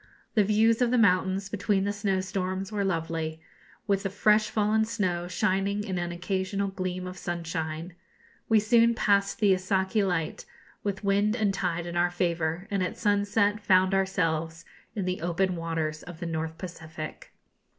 The views of the mountains, between the snowstorms, were lovely, with the fresh fallen snow shining in an occasional gleam of sunshine. We soon passed the Isaki light, with wind and tide in our favour, and at sunset found ourselves in the open waters of the North Pacific.